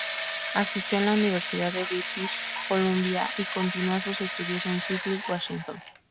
Asistió a la Universidad de British Columbia y continuó sus estudios en Seattle, Washington.